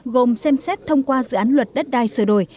gồm xem xét thông qua dự án luật đất đai sửa đổi